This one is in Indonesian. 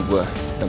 dan pertarungan lo